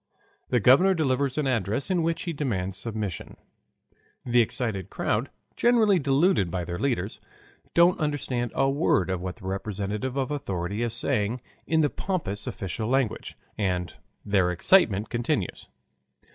The governor delivers an address in which he demands submission. The excited crowd, generally deluded by their leaders, don't understand a word of what the representative of authority is saying in the pompous official language, and their excitement continues.